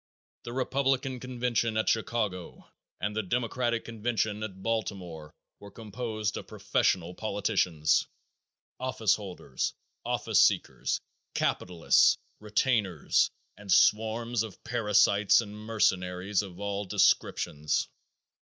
The Republican convention at Chicago and the Democratic convention at Baltimore were composed of professional politicians, office holders, office seekers, capitalists, retainers, and swarms of parasites and mercenaries of all descriptions.